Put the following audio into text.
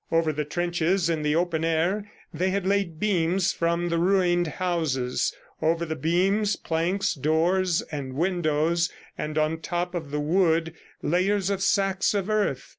Over the trenches in the open air, they had laid beams from the ruined houses; over the beams, planks, doors and windows, and on top of the wood, layers of sacks of earth.